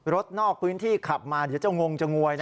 นอกพื้นที่ขับมาเดี๋ยวจะงงจะงวย